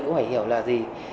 cũng phải hiểu là gì